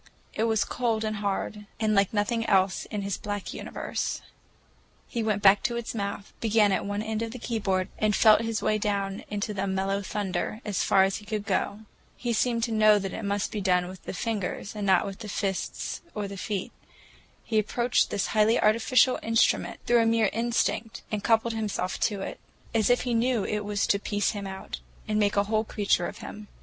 It was cold and hard, and like nothing else in his black universe. He went back to its mouth, began at one end of the keyboard and felt his way down into the mellow thunder, as far as he could go. He seemed to know that it must be done with the fingers, not with the fists or the feet. He approached this highly artificial instrument through a mere instinct, and coupled himself to it, as if he knew it was to piece him out and make a whole creature of him.